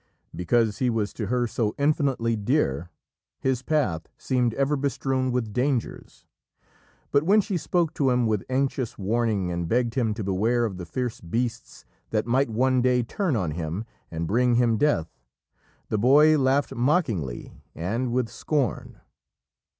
Because he was to her so infinitely dear, his path seemed ever bestrewn with dangers. But when she spoke to him with anxious warning and begged him to beware of the fierce beasts that might one day turn on him and bring him death, the boy laughed mockingly and with scorn.